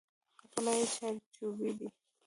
قلعه یې چارچوبي ده.